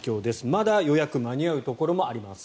まだ予約間に合うところもあります。